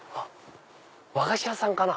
和菓子屋さんかな？